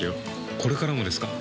これからもですか？